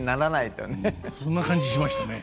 そんな感じしましたね。